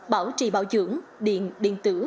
bảo trì bảo dưỡng điện điện tử